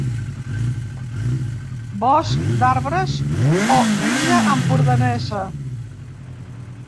Bosc d'arbres o illa empordanesa.